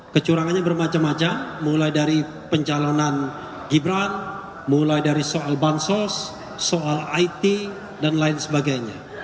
kecurangannya bermacam macam mulai dari pencalonan gibran mulai dari soal bansos soal it dan lain sebagainya